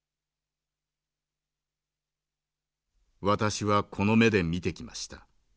「私はこの目で見てきました。